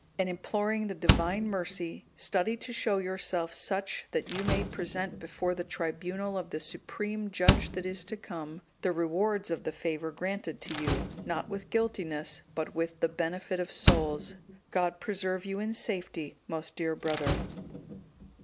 And imploring the Divine mercy, study to show yourself such that you may present before the tribunal of the Supreme Judge that is to come, the rewards of the favour granted to you, not with guiltiness, but with the benefit of souls. "God preserve you in safety, most dear brother!"